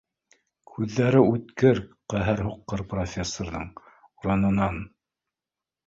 Күҙҙәре үткер ҡәһәр һуҡҡан профессорҙың, урынынан